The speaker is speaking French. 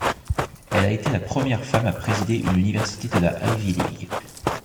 Elle a été la première femme à présider une université de la Ivy League.